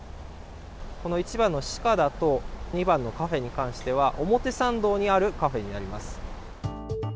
この１番のシカダと２番のカフェについては表参道にあるカフェになります。